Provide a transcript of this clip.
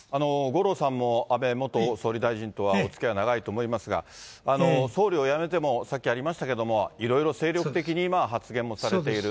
五郎さんも安倍元総理大臣とはおつきあい、長いと思いますが、総理を辞めても、さっきありましたけど、いろいろ精力的に発言もされている。